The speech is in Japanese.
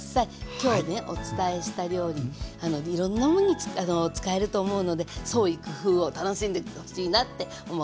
今日ねお伝えした料理いろんなものに使えると思うので創意工夫を楽しんでほしいなって思っています。